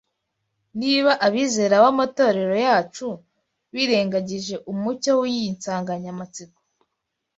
Niba abizera b’amatorero yacu birengagije umucyo w’iyinsanganyamatsiko